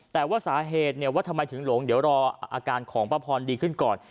แต่ว่าสาเหตุว่าทำไมถึงหลงเดี๋ยวรออาการของป้าพรดีขึ้นก่อน